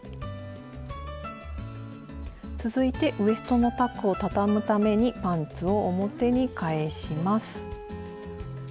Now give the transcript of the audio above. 続いてウエストのタックをたたむためにパンツを表に返します。